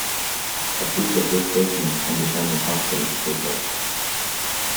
A proof of this statement can be found in Hoeffding's paper.